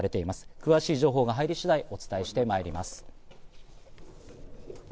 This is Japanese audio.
詳しい情報が入り次第、お伝えしてまいります。